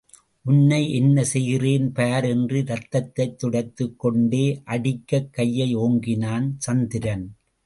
உன்னை என்ன செய்கிறேன் பார் என்று இரத்தத்தைத் துடைத்துக் கொண்டே, அடிக்கக் கையை ஓங்கினான் சந்திரன்.